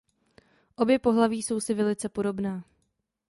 Obě pohlaví jsou si velice podobná.